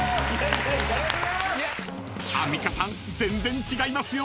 ［アンミカさん全然違いますよ］